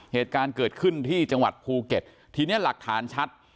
เหตุการณ์เกิดขึ้นที่จังหวัดภูเก็ตทีนี้หลักฐานชัด